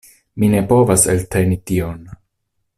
Mi ne povas elteni tion.